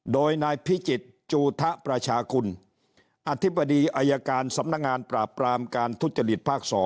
โดยนายพิจิตรจูทะประชากุลอธิบดีอายการสำนักงานปราบปรามการทุจริตภาค๒